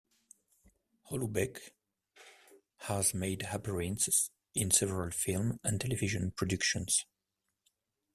Holoubek has made appearances in several film and television productions.